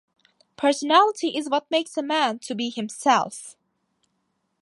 Personality is what makes a man to be himself.